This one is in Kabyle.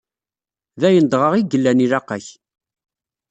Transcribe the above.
D ayen dɣa i yellan ilaq-ak.